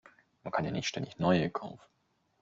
Man kann ja nicht ständig neue kaufen.